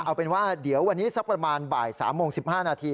เอาเป็นว่าเดี๋ยววันนี้สักประมาณบ่าย๓โมง๑๕นาที